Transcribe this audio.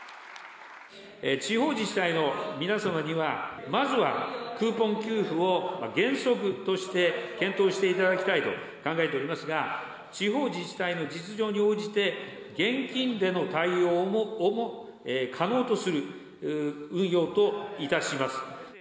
地方自治体の皆様には、まずはクーポン給付を原則として検討していただきたいと考えておりますが、地方自治体の実情に応じて、現金での対応をも可能とする運用といたします。